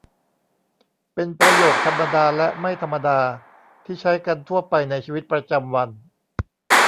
เป็นประโยคธรรมดาและไม่ธรรมดา ที่ใช้กันทั่วไปในชีวิตประจำวัน